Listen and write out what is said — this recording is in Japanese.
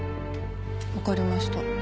わかりました。